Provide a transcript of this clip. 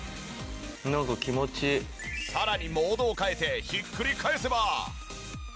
さらにモードを変えてひっくり返せば。